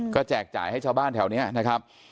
ก็แจกจ่ายให้ชาวบ้านแถวนี้นะครับ